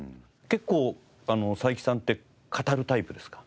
結構斉木さんって語るタイプですか？